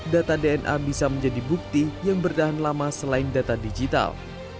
data dna bisa menjadi bukti yang bertahan lama selain data digital